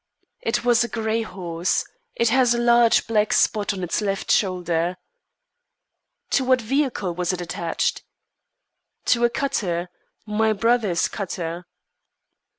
"It was a grey horse. It has a large black spot on its left shoulder." "To what vehicle was it attached?" "To a cutter my brother's cutter."